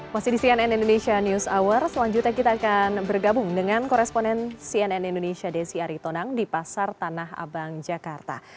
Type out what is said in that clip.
masih di cnn indonesia news hour selanjutnya kita akan bergabung dengan koresponen cnn indonesia desi aritonang di pasar tanah abang jakarta